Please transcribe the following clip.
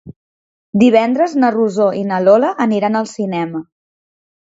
Divendres na Rosó i na Lola aniran al cinema.